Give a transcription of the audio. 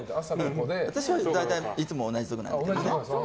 私は大体いつも同じところなんだけどね。